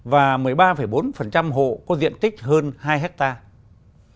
và một mươi ba bốn hộ có diện tích hơn hai hectare